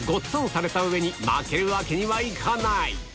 された上に負けるわけにはいかない